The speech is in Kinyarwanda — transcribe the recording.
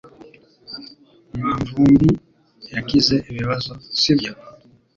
mwanvumbi yagize ibibazo, sibyo?